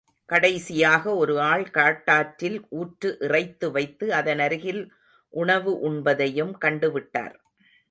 கடைசியாக ஒரு ஆள் காட்டாற்றில் ஊற்று இறைத்துவைத்து அதனருகில் உணவு உண்பதையும் கண்டுவிட்டார்.